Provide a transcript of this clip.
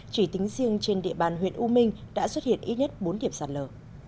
chỉ tính riêng trên địa bàn huyện u minh đã xuất hiện ít nhất bốn điểm sạt lở